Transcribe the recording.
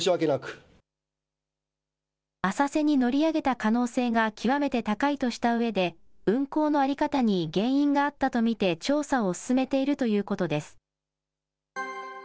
可能性が極めて高いとしたうえで、運航の在り方に原因があったと見て、調査を進めているということです。